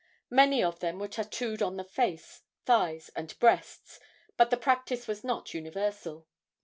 Many of them were tattooed on the face, thighs and breast, but the practice was not universal.